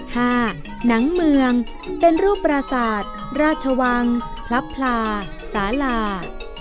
หนังเมืองเป็นรูปปราศาสตร์ราชวังพลับพลาสาลา